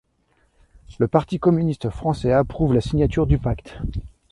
Le Parti communiste français approuve la signature du pacte.